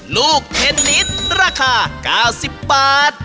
ลูกเทนนิสราคา๙๐บาท